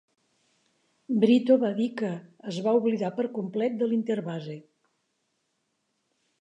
Brito va dir que "es va oblidar per complet de l'interbase".